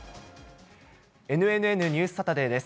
ＮＮＮニュースサタデーです。